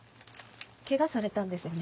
ケガされたんですよね？